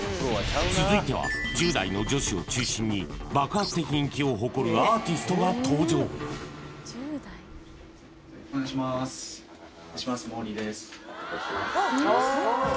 続いては１０代の女子を中心に爆発的人気を誇るアーティストが登場お願いします